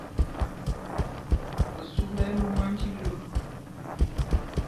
Osuk ɓɛ́ ɛ́ ló mwân tí lo.